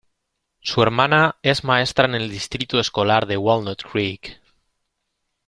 Su hermana es maestra en el distrito escolar de Walnut Creek.